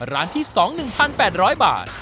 ร้านที่๒๑๘๐๐บาท